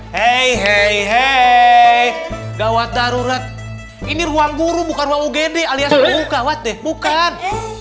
hei hei hei gaswat darurat ini ruang guru bukan ugd alias guru gaswat deh bukan